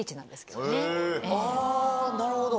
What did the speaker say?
あぁなるほど。